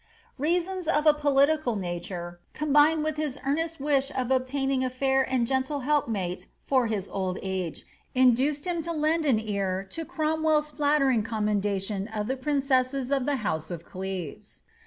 Reasons of a political nature, combined with his earnest wish of ob taiaing a foir and gentle helpmate for his old age, induced him to lend an ear to CromweU's flattering commendation of the princesses of the iMMise of Clevet.